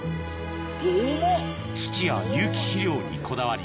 土や有機肥料にこだわり